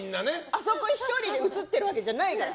あそこ１人で写ってるわけじゃないから。